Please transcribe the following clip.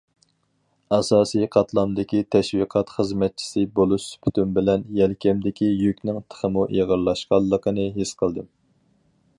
ئاساسىي قاتلامدىكى تەشۋىقات خىزمەتچىسى بولۇش سۈپىتىم بىلەن، يەلكەمدىكى يۈكنىڭ تېخىمۇ ئېغىرلاشقانلىقىنى ھېس قىلدىم.